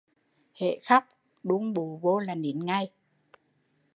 Hễ khóc, đun bụ vô là nín ngay